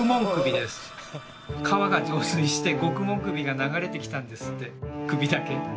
川が増水して獄門首が流れてきたんですって首だけ。